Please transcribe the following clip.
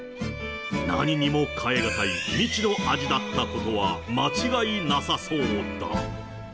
何にも代えがたい未知の味だったことは間違いなさそうだ。